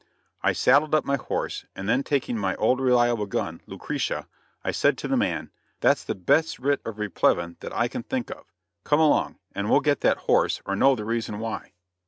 I saddled up my horse, and then taking my old reliable gun, "Lucretia," I said to the man: "That's the best writ of replevin that I can think of; come along, and we'll get that horse, or know the reason why."